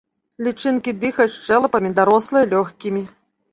Лічынкі дыхаюць шчэлепамі, дарослыя лёгкімі.